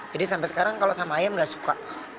jadi sampai sekarang kalau sama ayam enggak suka